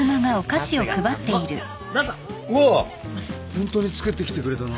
ホントに作ってきてくれたの？